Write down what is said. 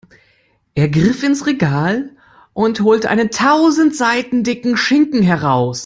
Er griff ins Regal und holte einen tausend Seiten dicken Schinken heraus.